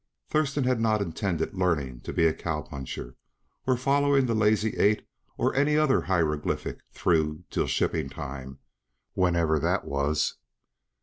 Thurston had not intended learning to be a cow puncher, or following the Lazy Eight or any other hieroglyphic through 'till shipping time whenever that was.